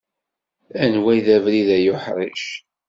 anwa i d abrid ay uḥric?